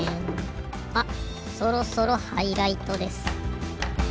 あそろそろハイライトです。